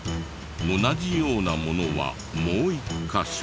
同じようなものがもう一カ所。